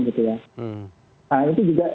gitu ya nah ini juga